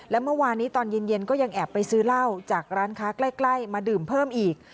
และเมื่อวานนี้ตอนเย็นก็ยังแอบไปซื้อเหล้าจากร้านค้าใกล้มาดื่มเพิ่มอีก